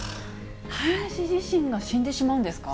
カメムシ自身が死んでしまうんですか？